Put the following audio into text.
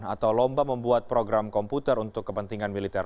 atau lomba membuat program komputer untuk kepentingan militer